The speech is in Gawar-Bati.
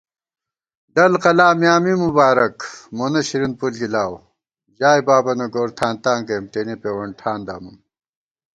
ڈل قلا میاں می مبارَک مونہ شرین پُݪ گِلاؤ * ژائےبابَنہ گورتھانتاں گَئیم تېنےپېوَن ٹھان دامُوم